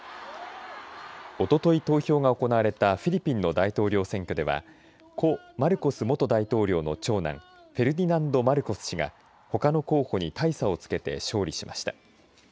おととい投票が行われたフィリピンの大統領選挙では故マルコス元大統領の長男フェルディナンド・マルコス氏がほかの候補に大差をつけて勝利しました。